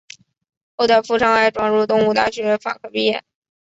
后在赴上海转入东吴大学法科毕业。